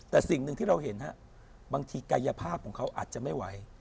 แต่สิ่งหนึ่งที่เราเห็นบางทีกายภาพของเขาอาจจะไม่ไหว